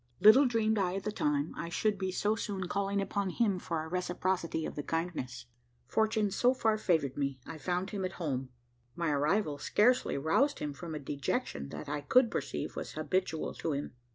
Little dreamed I at the time, I should so soon be calling upon him for a reciprocity of the kindness. Fortune so far favoured me I found him at home. My arrival scarcely roused him from a dejection that, I could perceive, was habitual to him.